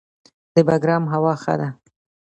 د بګرام هوا ښه ده